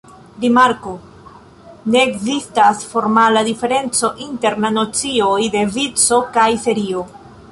Rimarko: Ne ekzistas formala diferenco inter la nocioj de vico kaj serio.